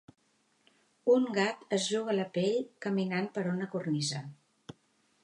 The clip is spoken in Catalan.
Un gat es juga la pell caminant per una cornisa.